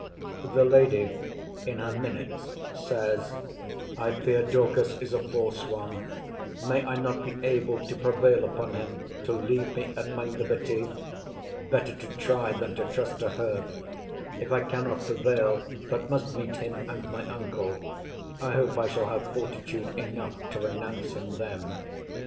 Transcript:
The Lady, in her minutes, says, 'I fear Dorcas is a false one. May I not be able to prevail upon him to leave me at my liberty? Better to try than to trust to her. If I cannot prevail, but must meet him and my uncle, I hope I shall have fortitude enough to renounce him then.